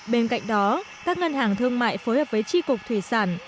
bên cạnh đó các ngân hàng thương mại phối hợp với tri cục thủy sản